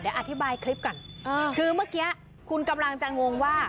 เดี๋ยวอธิบายคลิปก่อนคือเมื่อกี้คุณกำลังจะงงว่า